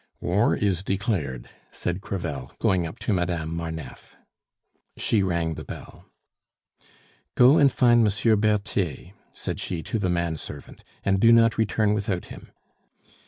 "War is declared," said Crevel, going up to Madame Marneffe. She rang the bell. "Go and find Monsieur Berthier," said she to the man servant, "and do not return without him.